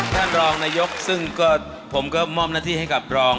ท่านรองนายกซึ่งก็ผมก็มอบหน้าที่ให้กับรอง